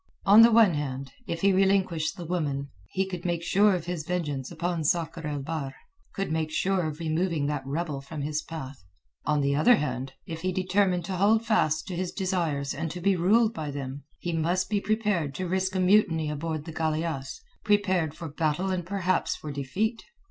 On the one hand, if he relinquished the woman, he could make sure of his vengeance upon Sakr el Bahr, could make sure of removing that rebel from his path. On the other hand, if he determined to hold fast to his desires and to be ruled by them, he must be prepared to risk a mutiny aboard the galeasse, prepared for battle and perhaps for defeat.